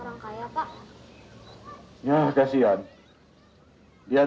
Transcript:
apa keadaan k throwlum andrew porque saya ngerti biasanya